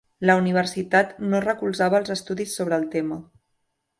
La universitat no recolzava els estudis sobre el tema.